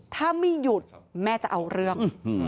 ถ้าไม่หยุดแม่จะเอาเรื่อง